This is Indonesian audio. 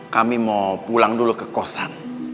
kami mau pulang dulu ke kosan